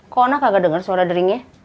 kok anak kagak denger suara deringnya